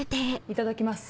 いただきます。